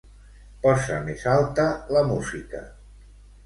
Posa més alta la música.